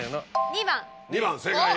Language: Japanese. ２番正解。